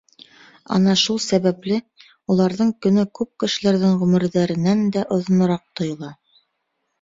Ана шул сәбәпле, уларҙың көнө күп кешеләрҙең ғүмерҙәренән дә оҙонораҡ тойола.